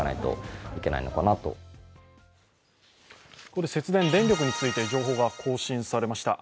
ここで節電、電力について情報が更新されました。